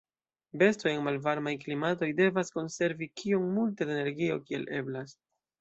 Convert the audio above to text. Bestoj en malvarmaj klimatoj devas konservi kiom multe da energio kiel eblas.